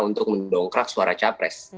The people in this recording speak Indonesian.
untuk mendongkrak suara cawapres